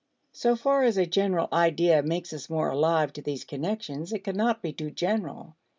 So far as a general idea makes us more alive to these connections, it cannot be too general.